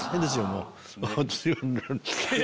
もう。